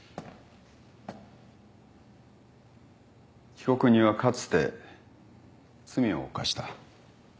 被告人はかつて罪を犯した。